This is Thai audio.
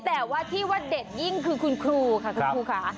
แต่ว่าที่ว่าเด็ดยิ่งคือคุณครูค่ะคุณครูค่ะ